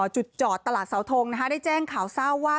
จุดจอดตลาดเสาทงได้แจ้งข่าวเศร้าว่า